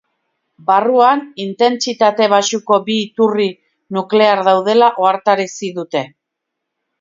Barruan, intentsitate baxuko bi iturri nuklear daudela ohartarazi dute.